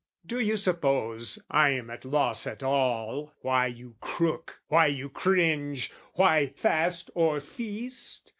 Do you suppose I am at loss at all Why you crook, why you cringe, why fast or feast?